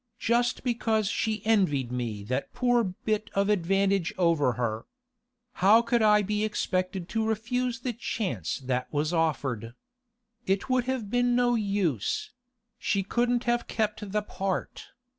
'Just because she envied me that poor bit of advantage over her! How could I be expected to refuse the chance that was offered? It would have been no use; she couldn't have kept the part.